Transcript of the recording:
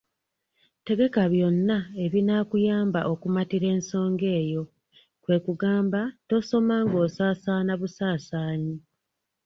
Tegeka byonna ebinaakuyamba okumatira ensonga eyo; kwe kugamba, tosoma ng’osaasaana busaasaanyi!